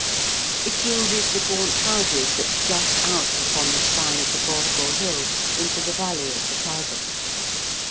It gilded the gaunt houses that jut out upon the spine of the Borgo hill into the valley of the Tiber.